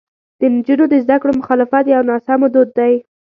د نجونو د زده کړو مخالفت یو ناسمو دود دی.